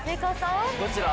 どちら？